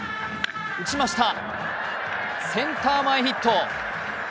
打ちました、センター前ヒット。